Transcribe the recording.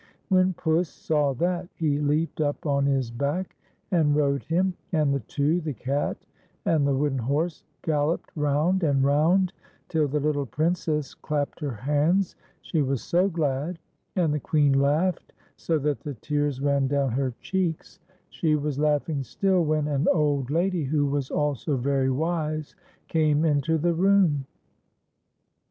When Puss saw that, he leaped up on his back and rode him, and the two, the cat and the wooden horse, galloped round and round till the little Princess clapped her hands, she was so glad, and the Queen laughed so that the tears ran down her cheeks; she was laughing still, when I I30 TJFSY'S SILVER BELL. an old lady, who was also very wise, came into the room.